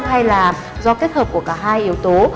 hay là do kết hợp của cả hai yếu tố